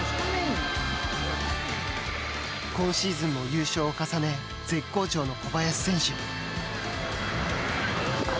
今シーズンも優勝を重ね絶好調の小林選手。